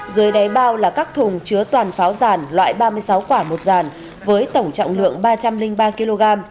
dưới đáy bao là các thùng chứa toàn pháo giàn loại ba mươi sáu quả một dàn với tổng trọng lượng ba trăm linh ba kg